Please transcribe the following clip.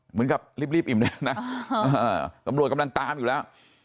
เหมือนกับรีบอิ่มได้แล้วนะตำรวจกำลังตามอยู่แล้ว